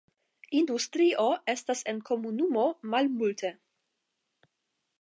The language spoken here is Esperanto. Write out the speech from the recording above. Industrio estis en komunumo malmulte.